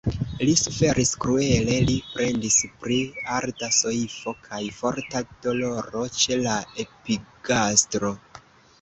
Li suferis kruele; li plendis pri arda soifo kaj forta doloro ĉe la epigastro.